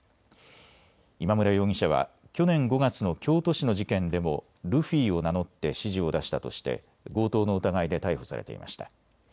今村容疑者は去年５月の京都市の事件でもルフィを名乗って指示を出したとして強盗の疑いで逮捕されていました。